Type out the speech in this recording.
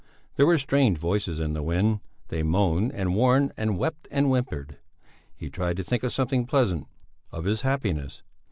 There were strange voices in the wind; they moaned and warned and wept and whimpered. He tried to think of something pleasant: of his happiness.